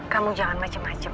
kamu jangan macem macem